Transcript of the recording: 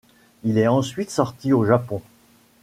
Il est ensuite sorti au Japon.